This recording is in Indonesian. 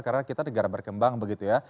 karena kita negara berkembang begitu ya